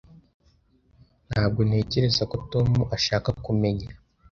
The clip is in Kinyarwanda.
Ntabwo ntekereza ko Tom ashaka kumenya.